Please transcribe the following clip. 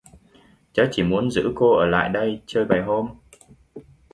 Cháu chỉ muốn giữ cô ở lại đây chơi vài hôm